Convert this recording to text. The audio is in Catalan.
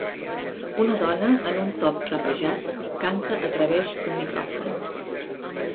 Una dona en un top clapejat canta a través d'un micròfon.